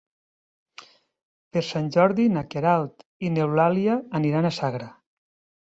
Per Sant Jordi na Queralt i n'Eulàlia aniran a Sagra.